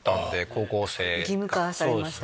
義務化されました。